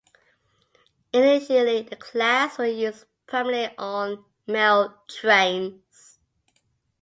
Initially the class were used primarily on mail trains.